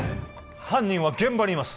犯人は現場にいます